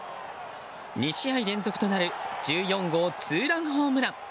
２試合連続となる１４号ツーランホームラン。